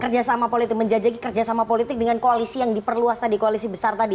kerjasama politik menjajaki kerjasama politik dengan koalisi yang diperluas tadi koalisi besar tadi